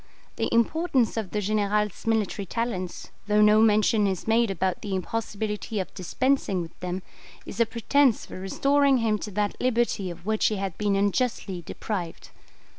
The importance of the General's military talents, though no mention is made about the impossibility of dispensing with them, is a pretence for restoring him to that liberty of which he had been unjustly deprived.